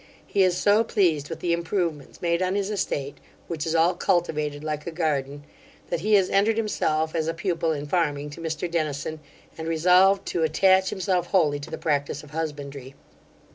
He is so pleased with the improvements made on his estate, which is all cultivated like a garden, that he has entered himself as a pupil in farming to Mr Dennison, and resolved to attach himself wholly to the practice of husbandry.